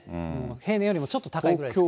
平年よりもちょっと高いぐらいですかね。